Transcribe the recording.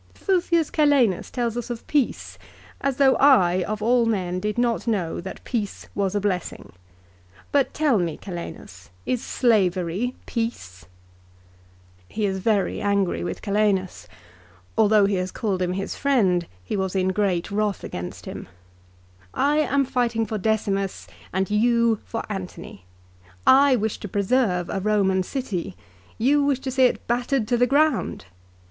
" Fufius Calenus tells us of peace ; as though I of all men did not know that peace was a blessing. But tell me, Calenus, is slavery peace ?" He is very angry with VOL. II. S 258 LIFE OF CICERO. Calenus. Although he has called him his friend he was in great wrath against him. "I am fighting for Decimus and you for Antony. I wish to preserve a Eoman city ; you wish to see it battered to the ground.